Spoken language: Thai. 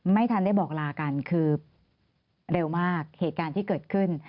ไม่ทันได้บอกลากันคือเร็วมากเหตุการณ์ที่เกิดขึ้น